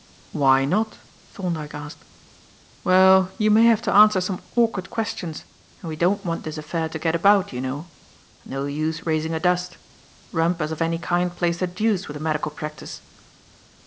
"Why not?" Thorndyke asked. "Well, you may have to answer some awkward questions, and we don't want this affair to get about, you know. No use raising a dust. Rumpus of any kind plays the deuce with a medical practice."